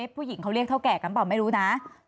ผู้หญิงเขาเรียกเท่าแก่กันเปล่าไม่รู้นะ